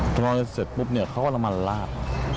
พร้อมแล้วเสร็จปุ๊บเนี่ยเขาก็มาลาด